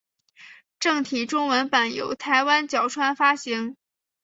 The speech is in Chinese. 正体中文版由台湾角川发行。